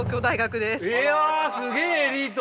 いやすげえエリート。